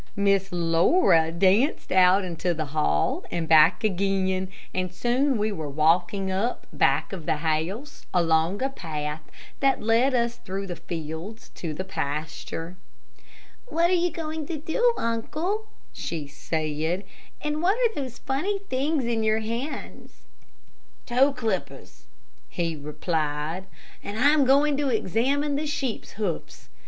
Miss Laura danced out into the hall and back again, and soon we were walking up, back of the house, along a path that led us through the fields to the pasture. "What are you going to do, uncle?" she said; "and what are those funny things in your hands?" "Toe clippers," he replied, "and I am going to examine the sheeps' hoofs.